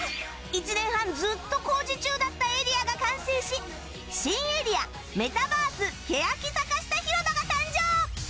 １年半ずっと工事中だったエリアが完成し新エリアメタバースけやき坂下ひろばが誕生！